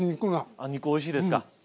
あ肉おいしいですか。